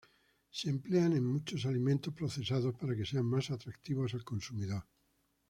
Se emplean en muchos alimentos procesados para que sean más atractivos al consumidor.